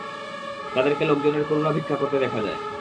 তাদেরকে লোকজনের করুণা ভিক্ষা করতে দেখা যায়।